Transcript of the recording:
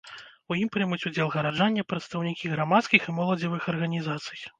У ім прымуць удзел гараджане, прадстаўнікі грамадскіх і моладзевых арганізацый.